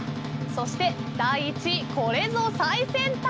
そして第１位これぞ最先端！